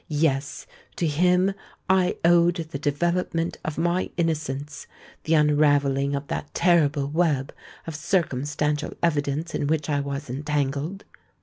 Yes—to him I owed the development of my innocence—the unravelling of that terrible web of circumstantial evidence in which I was entangled.